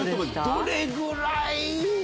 どれぐらい？